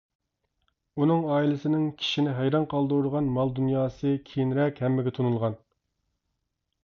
ئۇنىڭ ئائىلىسىنىڭ كىشىنى ھەيران قالدۇرىدىغان مال-دۇنياسى كېيىنرەك ھەممىگە تونۇلغان.